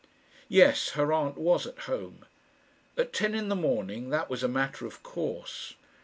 Yes; her aunt was at home. At ten in the morning that was a matter of course.